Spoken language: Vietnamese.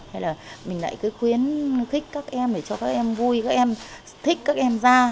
hay là mình lại cứ khuyến khích các em để cho các em vui các em thích các em ra